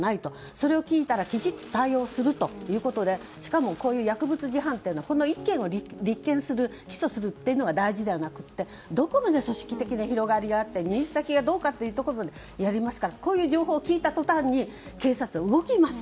それを聞いたらきちんと対応するということでしかも薬物事犯というのはこの１件を立件する起訴するというのが大事ではなくてどこまで組織的な広がりがあって入手先がどこまでというところまでやりますからこういう情報を聞いた途端に警察は動きます。